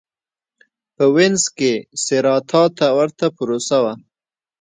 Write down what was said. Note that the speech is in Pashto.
په وینز کې سېراتا ته ورته پروسه وه.